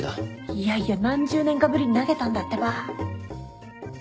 いやいや何十年かぶりに投げたんだってば。